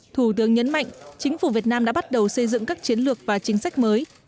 thủ tướng nhấn mạnh chính phủ việt nam đã bắt đầu xây dựng các chiến lược và chính sách mới